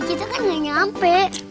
kita kan gak nyampe